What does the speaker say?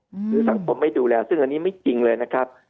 หรือสังคมไม่ดูแลซึ่งอันนี้ไม่จริงเลยนะครับ